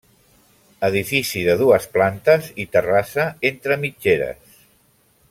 Edifici de dues plantes i terrassa entre mitgeres.